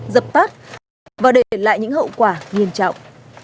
dập tắt và để lại những hậu quả nghiêm trọng